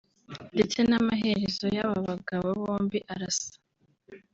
ndetse n’amaherezo y’aba bagabo bombi arasa